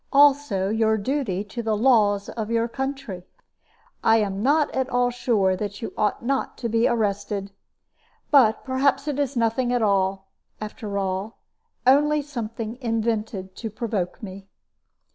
Also your duty to the laws of your country. I am not at all sure that you ought not to be arrested. But perhaps it is nothing at all, after all; only something invented to provoke me."